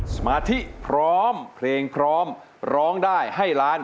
สมาธิพร้อมเพลงพร้อมร้องได้ให้ล้าน